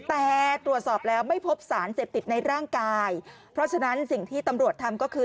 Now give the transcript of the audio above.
แต่ตรวจสอบแล้วไม่พบสารเสพติดในร่างกายเพราะฉะนั้นสิ่งที่ตำรวจทำก็คือ